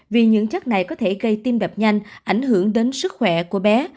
vì những chất này có thể gây tim đập nhanh ảnh hưởng đến sức khỏe của bé